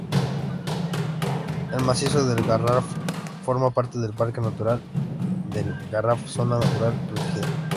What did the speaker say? El macizo del Garraf forma parte del parque natural del Garraf, zona natural protegida.